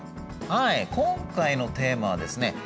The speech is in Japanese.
はい今回のテーマはですね